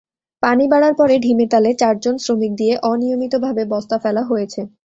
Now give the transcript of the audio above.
পানি বাড়ার পরে ঢিমেতালে চারজন শ্রমিক দিয়ে অনিয়মিতভাবে বস্তা ফেলা হয়েছে।